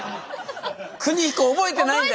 邦彦覚えてないんだ。